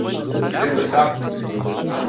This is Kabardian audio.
Зыхуэсакъ!